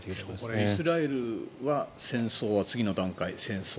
これ、イスラエルは戦争は次の段階、戦争。